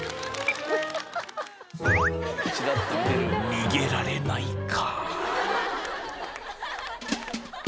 ［逃げられないか］